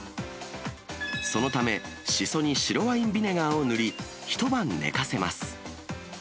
そのため、しそに白ワインビネガーを塗り、一晩寝かせます。